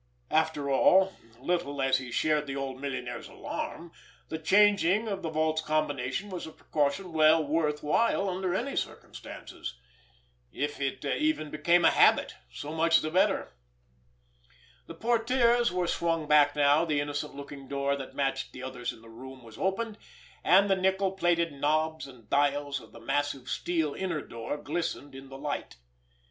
After all, little as he shared the old millionaire's alarm, the changing of the vault's combination was a precaution well worth while under any circumstances. If it even became a habit, so much the better! The portières were swung back now, the innocent looking door that matched the others in the room was opened, and the nickel plated knobs and dials of the massive steel inner door glistened in the light.